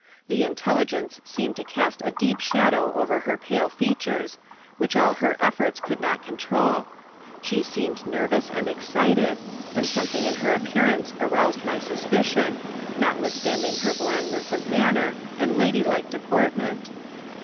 The intelligence seemed to cast a deep shadow over her pale features, which all her efforts could not control. She seemed nervous and excited, and something in her appearance aroused my suspicion, notwithstanding her blandness of manner and lady like deportment.